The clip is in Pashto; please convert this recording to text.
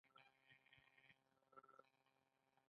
د تخار ولایت د مالګې کانونه ډیر لوی دي.